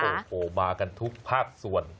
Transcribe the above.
โอ้โหมากันทุกภาคส่วน